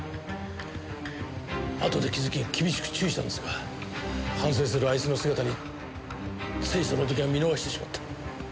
あとで気づき厳しく注意したんですが反省するあいつの姿についその時は見逃してしまった。